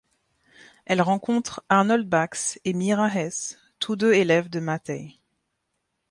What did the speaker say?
Elle rencontre Arnold Bax et Myra Hess tous deux élèves de Matthay.